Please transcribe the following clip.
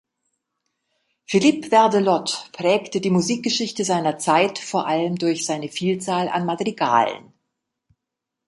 Philippe Verdelot prägte die Musikgeschichte seiner Zeit vor allem durch seine Vielzahl an Madrigalen.